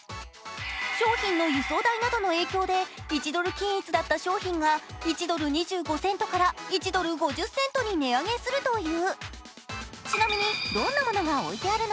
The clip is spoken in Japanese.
商品の輸送代などの影響で１ドル均一だった商品が１ドル２５セントから１ドル５０セントに値上げするという。